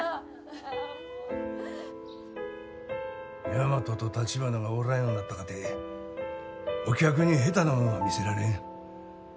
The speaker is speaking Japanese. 大和と橘がおらんようになったかてお客に下手なもんは見せられん。